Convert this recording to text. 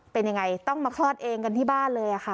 เป็นยังไงต้องมาคลอดเองกันที่บ้านเลยค่ะ